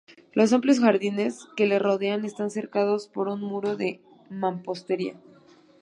Los amplios jardines que le rodean están cercados por un muro de mampostería.